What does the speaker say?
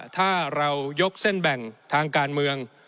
ถ้าเรายกเส้นแบ่งทางการเมือง